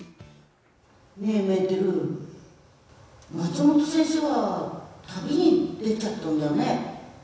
ねぇメーテル、松本先生は旅に出ちゃったんだよね。